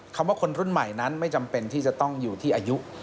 คำว่าคนรุ่นใหม่นั้นไม่จำเป็นที่จะต้องอยู่ที่อายุ